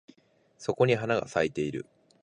そこに花が咲いてる